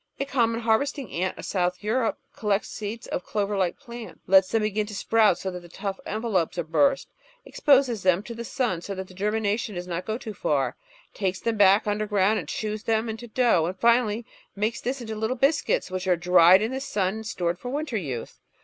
A common harvesting ant of South Europe collects seeds of clover Uke plants, lets them begin to sprout so that the tough envelopes are burst, exposes them in the sun so that the germination does not go too far, takes them back underground and chews them into dough, and finally makes this into little biscuits which are dried in the sun and stored for winter use.